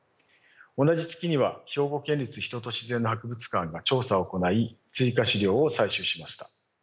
同じ月には兵庫県立人と自然の博物館が調査を行い追加資料を採取しました。